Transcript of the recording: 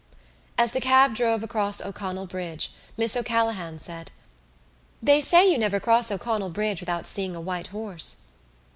As the cab drove across O'Connell Bridge Miss O'Callaghan said: "They say you never cross O'Connell Bridge without seeing a white horse."